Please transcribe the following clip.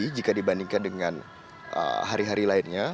jadi jika dibandingkan dengan hari hari lainnya